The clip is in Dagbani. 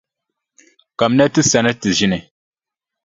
Kamina ti sani nti ʒini.